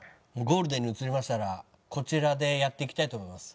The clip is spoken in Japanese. ゴールデンに移りましたらこちらでやっていきたいと思います。